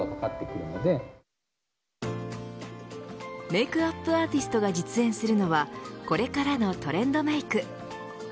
メークアップアーティストが実演するのはこれからのトレンドメーク。